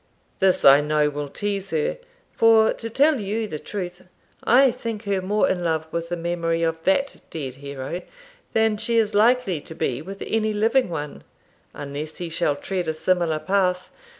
This I know will tease her; for, to tell you the truth, I think her more in love with the memory of that dead hero than she is likely to be with any living one, unless he shall tread a similar path.